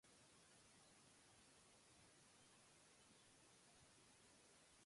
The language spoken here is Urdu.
پی ٹی آئی کی قیادت اور دوسروں کے درمیان وہ نظر نہیں آ رہا۔